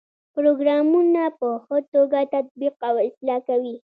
پروګرامونه په ښه توګه تطبیق او اصلاح کوي.